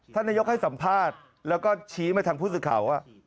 ท่านนายกให้สัมภาษณ์แล้วก็ชี้มาทางผู้สื่อข่าวว่า